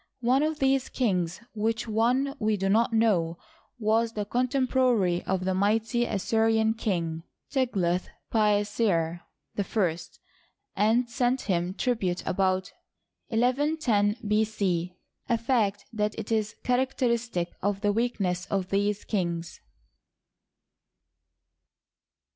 One of these kings, which one we do not know, was the contemporary of tne mighty Assyrian king. Tig lathpilesar /, and sent him tribute about 11 10 B.C. — a fact that is characteristic of the weakness of these kings.